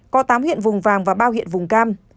có tám huyện vùng vàng và ba huyện vùng cam